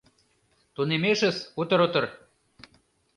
Тунемешыс утыр-утыр.